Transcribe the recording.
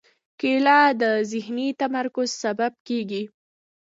کېله د ذهني تمرکز سبب کېږي.